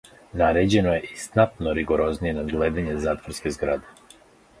Наређено је и знатно ригорозније надгледање затворске зграде.